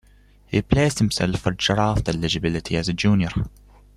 He placed himself for draft eligibility as a junior.